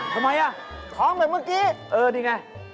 ทำไมล่ะท้องเหมือนเมื่อกี้โอ้โฮนี่ไง